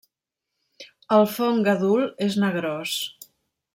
El fong adult és negrós.